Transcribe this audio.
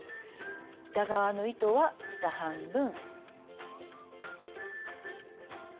下側の糸は下半分。